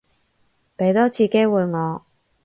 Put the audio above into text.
畀多次機會我